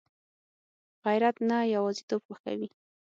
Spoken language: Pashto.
غیرت نه یوازېتوب خوښوي